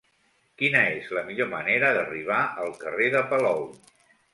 Quina és la millor manera d'arribar al carrer de Palou?